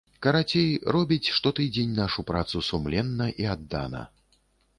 Карацей, рабіць штотыдзень нашу працу сумленна і аддана.